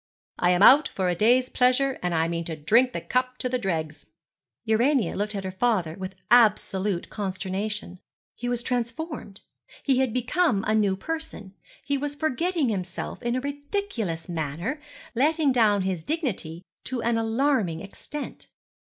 'I am out for a day's pleasure, and I mean to drink the cup to the dregs.' Urania looked at her father with absolute consternation. He was transformed; he had become a new person; he was forgetting himself in a ridiculous manner; letting down his dignity to an alarming extent.